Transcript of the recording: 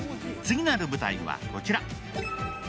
次なる舞台は、こちら。